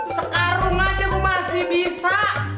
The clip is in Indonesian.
sekarung aja gue masih bisa